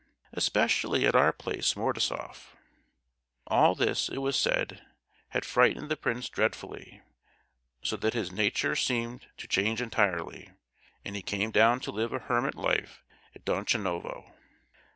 Especially at our place, Mordasoff! All this, it was said, had frightened the prince dreadfully; so that his nature seemed to change entirely, and he came down to live a hermit life at Donchanovo.